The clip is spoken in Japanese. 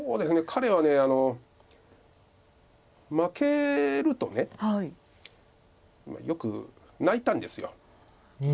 彼は負けるとよく泣いたんです。